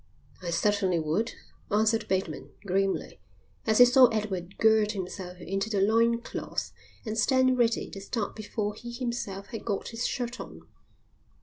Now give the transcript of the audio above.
"I certainly would," answered Bateman, grimly, as he saw Edward gird himself in the loincloth and stand ready to start before he himself had got his shirt on.